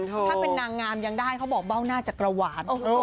ถ้าเป็นนางงามยังได้เขาบอกเบ้าหน้าจักรวาล